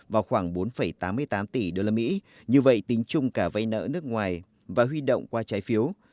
vào khoảng bốn tám mươi tám tỷ đô la mỹ như vậy tính chung cả vay nợ nước ngoài và huy động qua trái phiếu